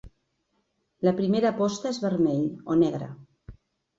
La primera aposta és vermell o negre.